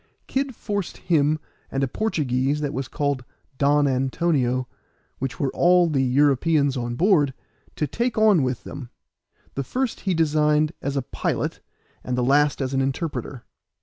Kid forced him and a Portuguese that was called Don Antonio, which were all the Europeans on board, to take on with them; the first he designed as a pilot, and the last as an interpreter.